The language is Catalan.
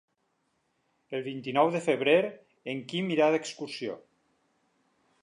El vint-i-nou de febrer en Quim irà d'excursió.